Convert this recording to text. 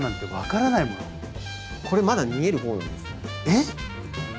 えっ！？